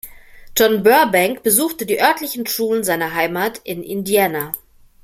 John Burbank besuchte die örtlichen Schulen seiner Heimat in Indiana.